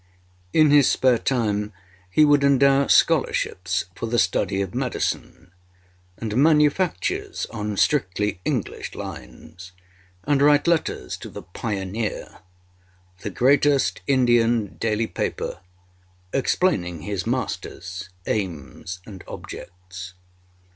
In his spare time he would endow scholarships for the study of medicine and manufactures on strictly English lines, and write letters to the âPioneerâ, the greatest Indian daily paper, explaining his masterâs aims and objects.